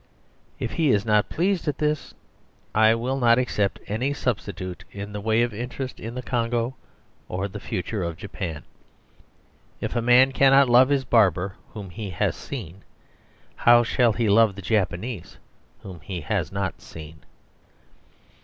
If he is not pleased at this, I will not accept any substitute in the way of interest in the Congo or the future of Japan. If a man cannot love his barber whom he has seen, how shall he love the Japanese whom he has not seen?